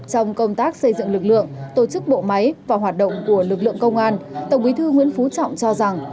trong công tác xây dựng lực lượng tổ chức bộ máy và hoạt động của lực lượng công an tổng bí thư nguyễn phú trọng cho rằng